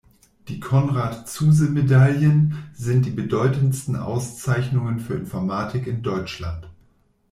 Die "Konrad-Zuse-Medaillen" sind die bedeutendsten Auszeichnungen für Informatik in Deutschland.